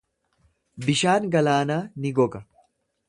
Bishaan galaanaa ni goga.